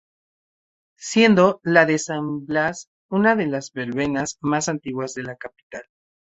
Siendo la de San Blas una de las verbenas más antiguas de la capital.